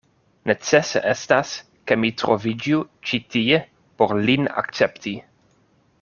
Necese estas, ke mi troviĝu ĉi tie por lin akcepti.